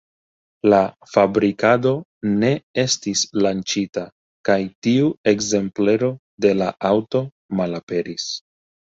La fabrikado ne estis lanĉita kaj tiu ekzemplero de la aŭto malaperis.